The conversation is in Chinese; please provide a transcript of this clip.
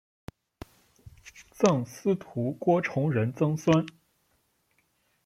赠司徒郭崇仁曾孙。